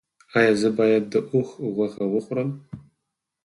ایا زه باید د اوښ غوښه وخورم؟